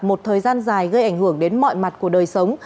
một thời gian dài gây ảnh hưởng đến mọi mặt của đời sống